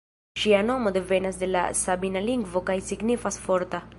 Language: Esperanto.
Ŝia nomo devenas de la sabina lingvo kaj signifas "forta".